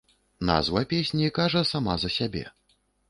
Назва песні кажа сама за сябе.